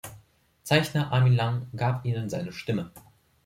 Zeichner Armin Lang gab ihnen seine Stimme.